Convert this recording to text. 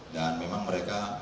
dan memang mereka